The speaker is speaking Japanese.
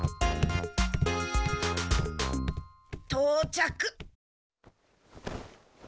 とうちゃく。